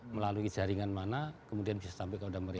melalui jaringan mana kemudian bisa sampai ke kode mereka